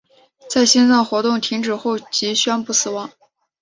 在心脏活动停止后即宣布死亡。